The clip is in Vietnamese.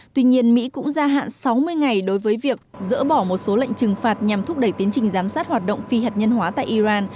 tuy nhiên mỹ cũng gia hạn sáu mươi ngày đối với việc dỡ bỏ một số lệnh trừng phạt nhằm thúc đẩy tiến trình giám sát hoạt động phi hạt nhân hóa tại iran